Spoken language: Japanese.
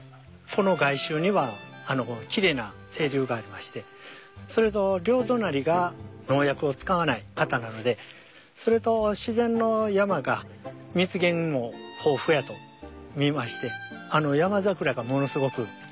この外周にはきれいな清流がありましてそれの両隣が農薬を使わない方なのでそれと自然の山が蜜源も豊富やと見ましてあのヤマザクラがものすごく咲きます。